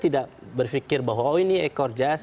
tidak berpikir bahwa oh ini ekor jas